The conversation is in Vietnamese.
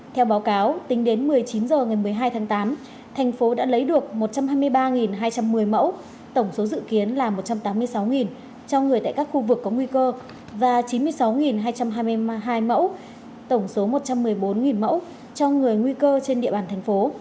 theo báo cáo tính đến một mươi chín h ngày một mươi hai tháng tám thành phố đã lấy được một trăm hai mươi ba hai trăm một mươi mẫu tổng số dự kiến là một trăm tám mươi sáu cho người tại các khu vực có nguy cơ và chín mươi sáu hai trăm hai mươi hai mẫu tổng số một trăm một mươi bốn mẫu cho người nguy cơ trên địa bàn thành phố